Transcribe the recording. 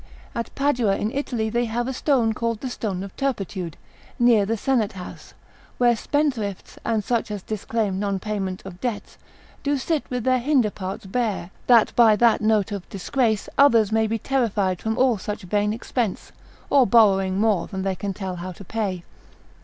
At Padua in Italy they have a stone called the stone of turpitude, near the senate house, where spendthrifts, and such as disclaim non payment of debts, do sit with their hinder parts bare, that by that note of disgrace others may be terrified from all such vain expense, or borrowing more than they can tell how to pay.